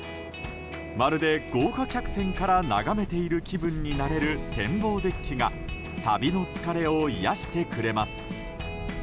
まるで豪華客船から眺めている気分になれる展望デッキが旅の疲れを癒やしてくれます。